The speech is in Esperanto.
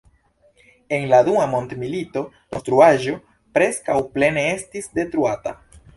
En la Dua Mondmilito la konstruaĵo preskaŭ plene estis detruata.